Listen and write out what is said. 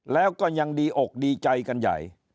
แล้วก็ยังดีอกดีใจกันใหญ่